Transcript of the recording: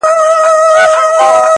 هره ورځ به يې و غلا ته هڅولم،